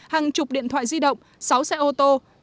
hàng chục điện thoại di động sáu xe ô tô